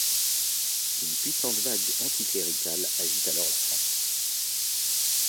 Une puissante vague anticléricale agite alors la France.